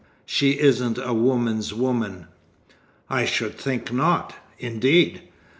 She isn't a woman's woman." "I should think not, indeed!